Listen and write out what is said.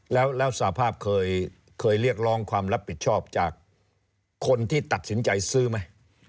แล้วสภาพเคยเรียกร้องความรับผิดชอบจากคนที่ตัดสินใจซื้อไหม